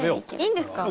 いいんですか？